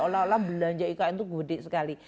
seolah olah belanja ikn itu gede sekali